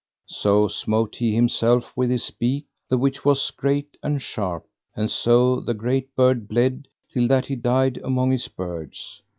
So smote he himself with his beak, the which was great and sharp. And so the great bird bled till that he died among his birds.